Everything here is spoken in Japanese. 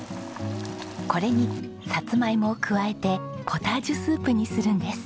これにサツマイモを加えてポタージュスープにするんです。